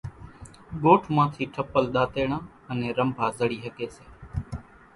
ڳوٺ مان ٿِي ٺپل ۮاتيڙان انين رنڀا زڙِي ۿڳيَ سي۔